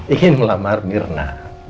ingin melamar mirna